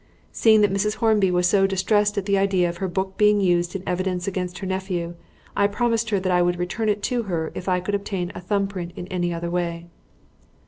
Seeing that Mrs. Hornby was so distressed at the idea of her book being used in evidence against her nephew, I promised her that I would return it to her if I could obtain a thumb print in any other way.